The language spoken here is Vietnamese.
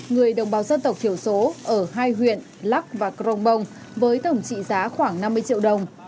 người đồng bào dân tộc thiểu số ở hai huyện lắc và crong bông với tổng trị giá khoảng năm mươi triệu đồng